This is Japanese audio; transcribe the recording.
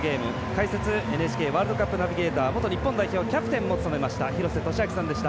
解説、ＮＨＫワールドカップナビゲーター元日本代表も務めました廣瀬俊朗さんでした。